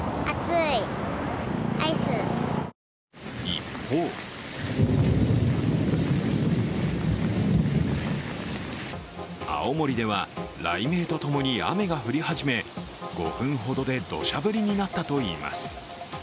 一方青森では、雷鳴とともに雨が降り始め５分ほどで、どしゃ降りになったといいます。